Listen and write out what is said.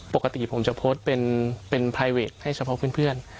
ปกติผมจะโพสต์เป็นเป็นให้เฉพาะเพื่อนเพื่อน